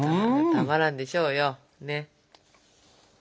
たまらんでしょうよねっ。